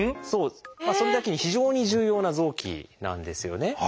それだけに非常に重要な臓器なんですよね。